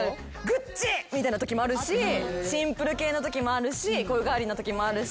グッチ！みたいなときもあるしシンプル系のときもあるしこういうガーリーなときもあるし。